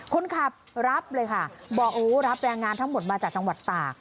คนขับรับเลยค่ะบอกโอ้รับแรงงานทั้งหมดมาจากจังหวัดตาก